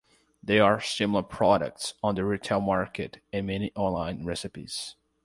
There are similar products on the retail market and many online recipes.